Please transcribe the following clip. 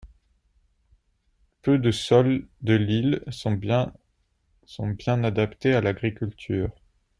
Peu de sols de l'île sont bien adaptés à l'agriculture.